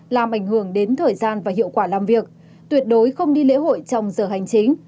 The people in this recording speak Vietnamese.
làm ảnh hưởng đến thời gian và hiệu quả làm việc tuyệt đối không đi lễ hội trong giờ hành chính